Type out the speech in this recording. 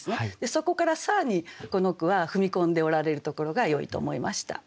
そこから更にこの句は踏み込んでおられるところがよいと思いました。